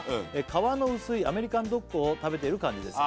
「皮の薄いアメリカンドッグを食べている感じです」